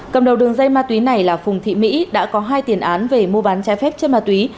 cầm đầu đường dây ma túy này là phùng thị mỹ đã có hai tiền án về mua bán trái phép chất ma túy